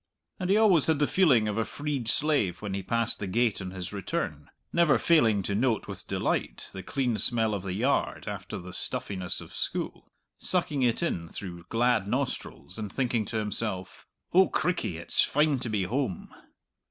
And he always had the feeling of a freed slave when he passed the gate on his return, never failing to note with delight the clean smell of the yard after the stuffiness of school, sucking it in through glad nostrils, and thinking to himself, "O crickey, it's fine to be home!"